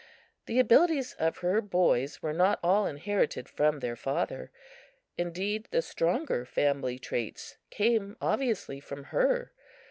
The abilities of her boys were not all inherited from their father; indeed, the stronger family traits came obviously from her.